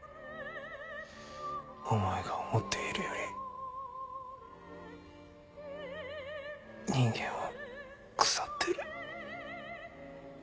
お前が思っているより人間は腐ってる。